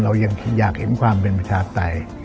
เรายังอยากเห็นความเป็นประชาปไตย